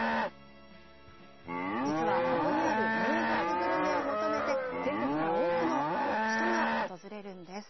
実は、ここにある名物グルメを求めて全国から多くの人が訪れるんです。